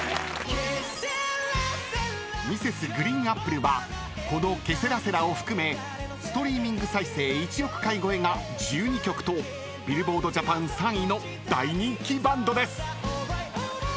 ［Ｍｒｓ．ＧＲＥＥＮＡＰＰＬＥはこの『ケセラセラ』を含めストリーミング再生１億回超えが１２曲とｂｉｌｌｂｏａｒｄＪＡＰＡＮ３位の大人気バンドです］